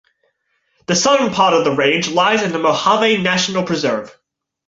The southern part of the range lies in the Mojave National Preserve.